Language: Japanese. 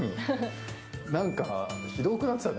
何かひどくなってたね。